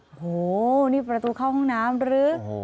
โอ้โหนี่ประตูเข้าห้องน้ำหรือ